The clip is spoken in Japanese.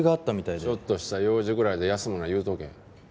ちょっとした用事ぐらいで休むな言うとけ。